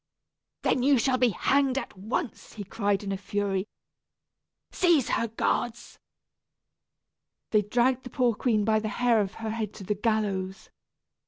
"Then you shall be hanged at once," he cried in a fury. "Seize her, guards." They dragged the poor queen by the hair of her head to the gallows.